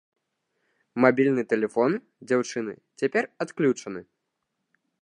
Мабільны тэлефон дзяўчыны цяпер адключаны.